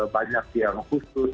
banyak yang khusus